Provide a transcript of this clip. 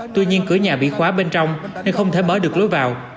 tuy nhiên cửa nhà bị khóa bên trong nên không thể mở được lối vào